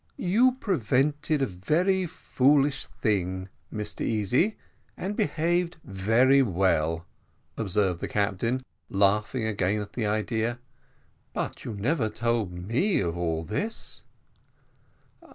"You prevented a very foolish thing, Mr Easy, and behaved very well," observed the captain, laughing again at the idea; "but you never told me of all this."